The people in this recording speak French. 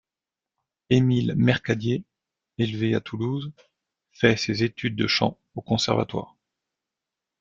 Émile Mercadier, élevé à Toulouse, fait ses études de chant au conservatoire.